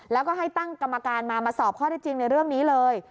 แล้วก็ให้ตั้งกรรมการมามาสอบข้อได้จริงในเรื่องนี้เลย